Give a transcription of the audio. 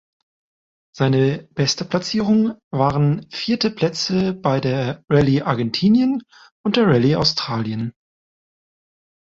Seine beste Platzierung waren vierte Plätze bei der Rallye Argentinien und der Rallye Australien.